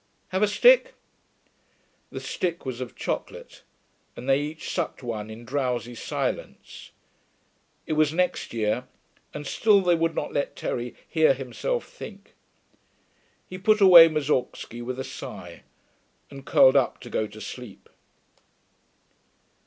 Have a stick?' The stick was of chocolate, and they each sucked one in drowsy silence. It was next year, and still they would not let Terry hear himself think. He put away Moussorgsky with a sigh, and curled up to go to sleep.